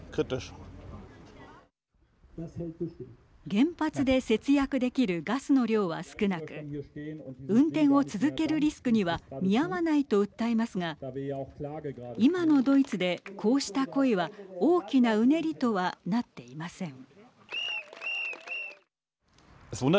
原発で節約できるガスの量は少なく運転を続けるリスクには見合わないと訴えますが今のドイツでこうした声は大きなうねりとはなっていません。